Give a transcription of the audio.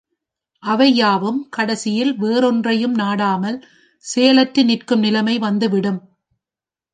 அவை யாவும் கடைசியில் வேறு ஒன்றையும் நாடாமல் செயலற்று நிற்கும் நிலைமை வந்து விடும்.